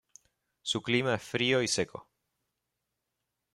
Su clima es frío y seco.